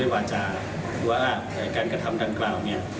ว่าการกระทำดันเกลา